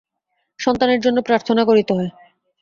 সন্তানের জন্য প্রার্থনা করিতে হয়।